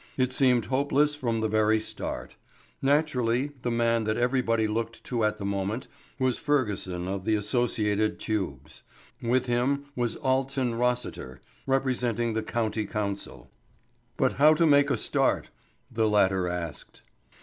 It seemed hopeless from the very start. Naturally, the man that everybody looked to at the moment was Fergusson of the associated tubes. With him was Alton Rossiter, representing the County Council. "But how to make a start?" the latter asked.